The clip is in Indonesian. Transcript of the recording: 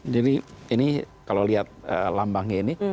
jadi ini kalau lihat lambangnya ini